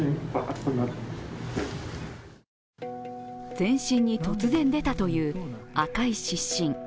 全身に突然出たという赤い湿疹。